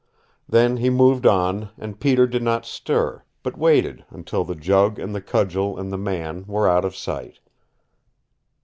Then he moved on, and Peter did not stir, but waited until the jug and the cudgel and the man were out of sight.